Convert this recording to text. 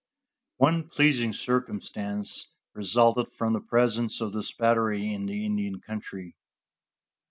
One pleasing circumstance resulted from the presence of this battery in the Indian country.